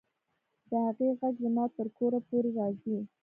د هغې غږ زما تر کوره پورې راځي